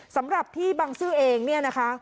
สำหรับที่บังซื้อเองเนี่ยนะคะ